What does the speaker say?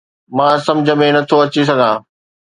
مان سمجهه ۾ نٿو اچي سگهان